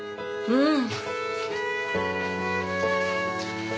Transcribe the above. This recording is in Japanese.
うん。